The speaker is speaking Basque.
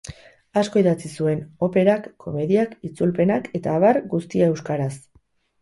Asko idatzi zuen: operak, komediak, itzulpenak eta abar, guztia euskaraz.